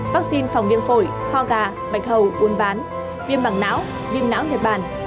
vaccine phòng viêm phổi ho gà bạch hầu buôn bán viêm bằng não viêm não nhật bản